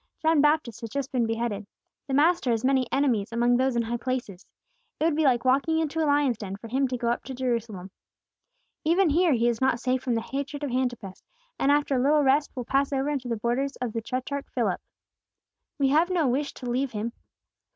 "John Baptist has just been beheaded. The Master has many enemies among those in high places. It would be like walking into a lion's den for Him to go up to Jerusalem. "Even here He is not safe from the hatred of Antipas, and after a little rest will pass over into the borders of the tetrarch Philip. We have no wish to leave Him!"